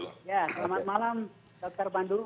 selamat malam dokter pandu